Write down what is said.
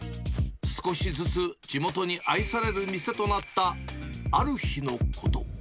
少しずつ地元に愛される店となったある日のこと。